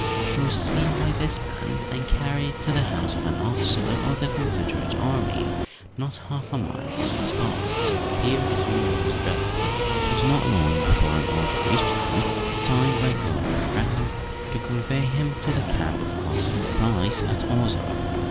He was seen by this band, and carried to the house of an officer of the Confederate army, not half a mile from the spot. Here his wound was dressed. It was not long before an order reached them, signed by "Colonel Brown," to convey him to the camp of Colonel Price, at Ozark.